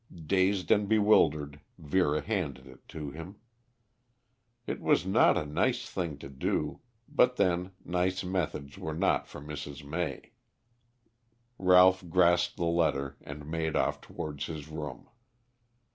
Dazed and bewildered, Vera handed it to him. It was not a nice thing to do, but, then, nice methods were not for Mrs. May. Ralph grasped the letter and made off towards his room.